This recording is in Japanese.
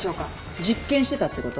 実験してたってこと？